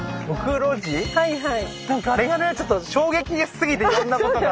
なんかあれがねちょっと衝撃すぎていろんなことが。